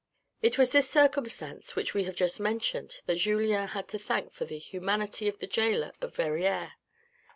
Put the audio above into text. It was this circumstance, which we have just mentioned, that Julien had to thank for the humanity of the gaoler of Verrieres.